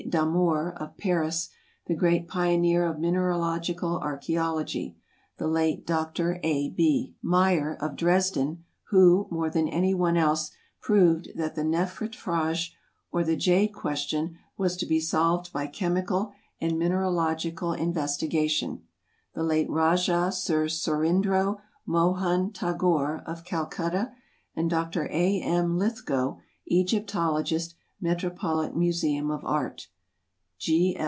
Damour, of Paris, the great pioneer of mineralogical archæology; the late Dr. A. B. Meyer, of Dresden, who, more than anyone else, proved that the Nephritfrage or the jade question was to be solved by chemical and mineralogical investigation; the late Rajah Sir Sourindro Mohun Tagore, of Calcutta; and Dr. A. M. Lythgoe, Egyptologist, Metropolitan Museum of Art.